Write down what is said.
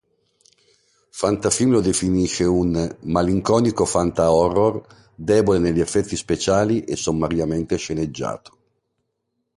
Fantafilm lo definisce un "malinconico fanta-horror, debole negli effetti speciali e sommariamente sceneggiato.